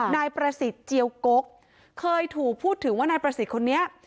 นายประสิทธิ์เจียวกกเคยถูกพูดถึงว่านายประสิทธิ์คนนี้